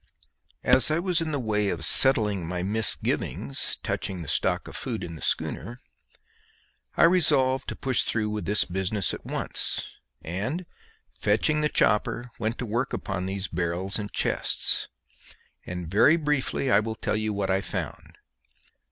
As I was in the way of settling my misgivings touching the stock of food in the schooner, I resolved to push through with this business at once, and fetching the chopper went to work upon these barrels and chests; and very briefly I will tell you what I found.